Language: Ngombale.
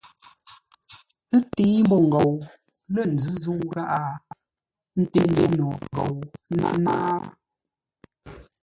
Ə́ təi ḿbó ngou lə̂ nzʉ́ zə̂u gháʼa, ńté no ghou náa.